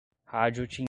Rádio Timbira